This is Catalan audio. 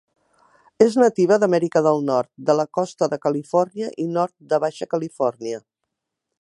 És nativa d'Amèrica del Nord, de la costa de Califòrnia i nord de Baixa Califòrnia.